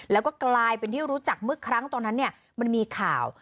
แล้วก็กลายเป็นที่รู้จักเมื่อครั้งตอนนั้นเนี่ยมันมีข่าว